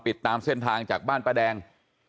ติดตามเส้นทางจากบ้านป้าแดง